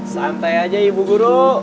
santai aja ibu guru